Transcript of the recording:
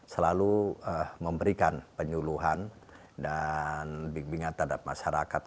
selalu memberikan penyuluhan dan bimbingan terhadap masyarakat